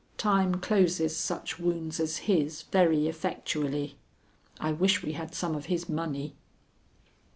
Time closes such wounds as his very effectually. I wish we had some of his money.